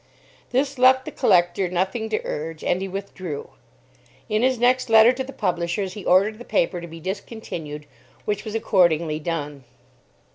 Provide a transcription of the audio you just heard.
This left the collector nothing to urge, and he withdrew. In his next letter to the publishers, he ordered the paper to be discontinued, which was accordingly done.